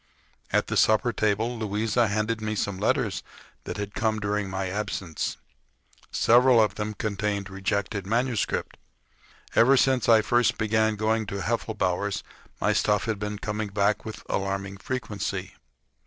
At the supper table Louisa handed me some letters that had come during my absence. Several of them contained rejected manuscript. Ever since I first began going to Heffelbower's my stuff had been coming back with alarming frequency.